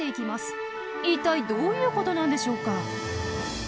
一体どういうことなんでしょうか？